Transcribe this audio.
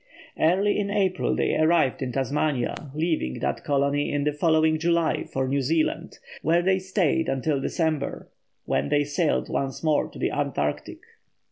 Early in April they arrived at Tasmania, leaving that colony in the following July for New Zealand, where they stayed until December, when they sailed once more to the Antarctic.